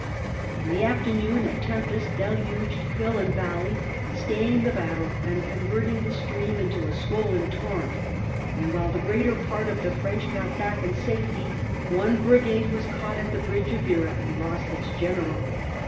In the after noon a tempest deluged hill and valley, staying the battle and converting the stream into a swollen torrent; and while the greater part of the French got back in safety, one brigade was caught at the bridge of Vera and lost its general.